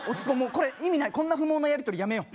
これ意味ないこんな不毛なやり取りやめよう